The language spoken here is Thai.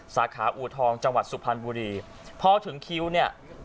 สาขาอูทองจังหวัดสุพรรณบุรีพอถึงคิวเนี่ย